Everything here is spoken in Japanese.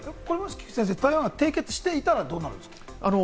菊地先生、台湾が締結していたらどうなるんですか？